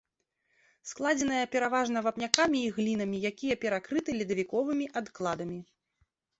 Складзеная пераважна вапнякамі і глінамі, якія перакрыты ледавіковымі адкладамі.